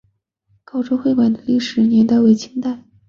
高州会馆的历史年代为清代。